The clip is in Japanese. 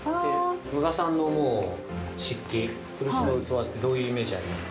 ◆宇賀さんの思う漆器漆の器ってどういうイメージありますか。